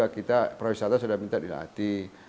kita juga para wisatawan sudah minta dilatih